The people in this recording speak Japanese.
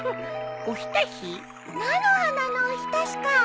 菜の花のおひたしかあ。